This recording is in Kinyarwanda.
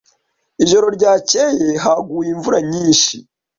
Ijoro ryakeye haguye imvura nyinshi.